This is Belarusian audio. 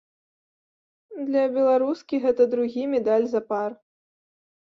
Для беларускі гэта другі медаль запар.